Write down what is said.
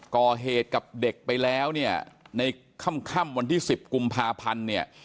ก่อเหตุกับเด็กไปแล้วเนี่ยในค่ำวันที่๑๐กุมภาพันธ์เนี่ย